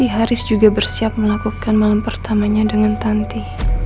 haris juga bersiap melakukan malam pertamanya dengan tanti